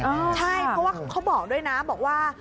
ใช่เพราะว่าเขาบอกด้วยนะบอกว่า